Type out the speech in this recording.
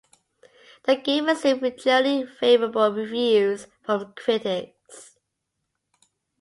The game received generally favorable reviews from critics.